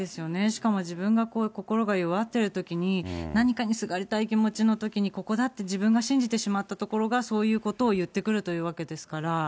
しかも自分が心が弱ってるときに、何かにすがりたい気持ちのときに、ここだって自分が信じてしまったところがそういうことを言ってくるというわけですから。